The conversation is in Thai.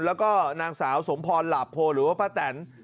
แล้วก็นางสาวสมพรหลาโพหรือว่าป้าแตน